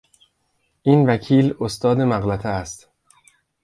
این وکیل استاد مغلطه است.